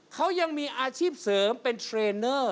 เขายังมีอาชีพเสริมเป็นเทรนเนอร์